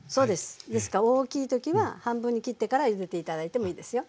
大きい時は半分に切ってから入れて頂いてもいいですよ。